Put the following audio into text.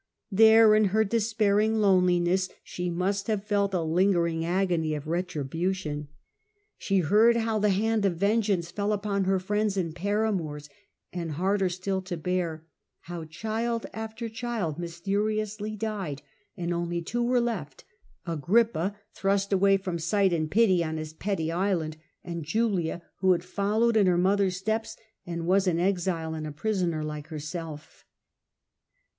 There, in her despairing lone liness, she must have felt a lingering agony And misery. retribution. She heard how the hand of vengeance fell upon her friends and paramours, and, harder still to bear, how child after child mys teriously died, and only two were left — Agrippa, thrust away from sight and pity on his petty island, and Julia, who had followed in her mother's steps, and was an exile and a prisoner like herself.